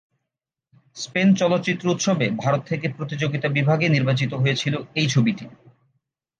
Spain চলচ্চিত্র উৎসবে ভারত থেকে প্রতিযোগিতা বিভাগে নির্বাচিত হয়েছিল এই ছবিটি।